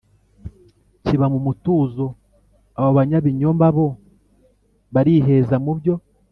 kiba mu mutuzo, abo banyabinyoma bo bariheza. mu byo